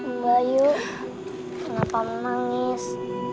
mbak yu kenapa menangis